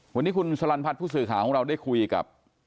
วันนี้คุณสลันพัฒน์ผู้สื่อข่าวของเราได้คุยกับ